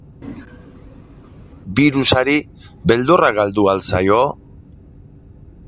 Birusari beldurra galdu al zaio?